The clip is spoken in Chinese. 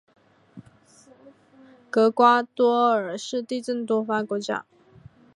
厄瓜多尔是地震多发国家。